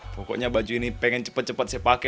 pokoknya baju ini pengen cepat cepat saya pakai